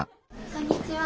こんにちは。